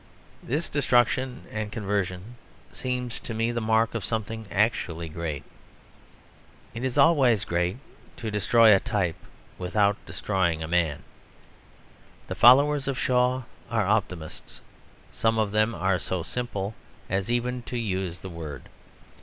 This destruction and conversion seem to me the mark of something actually great. It is always great to destroy a type without destroying a man. The followers of Shaw are optimists; some of them are so simple as even to use the word.